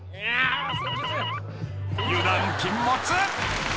［油断禁物］